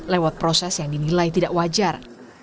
lewat proses yang dinilai tidak wajar